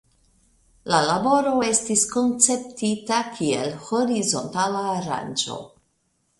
La laboro estis konceptita kiel horizontala aranĝo.